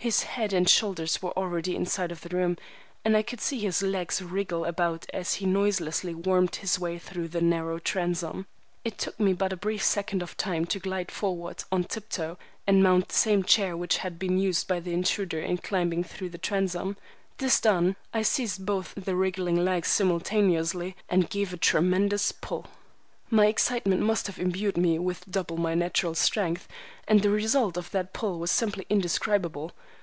His head and shoulders were already inside the room, and I could see his legs wriggle about as he noiselessly wormed his way through the narrow transom. It took me but a brief second of time to glide forward on tiptoe and mount the same chair which had been used by the intruder in climbing to the transom. This done, I seized both the wriggling legs simultaneously, and gave a tremendous pull. My excitement must have imbued me with double my natural strength, and the result of that pull was simply indescribable.